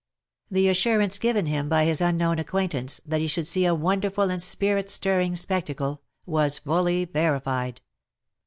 The assurance given him by his unknown acquaintance, that he should see a wonderful and spirit stirring spectacle, was fully verified.